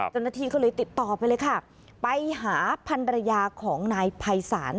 เจ้าหน้าที่ก็เลยติดต่อไปเลยค่ะไปหาพันรยาของนายภัยศาล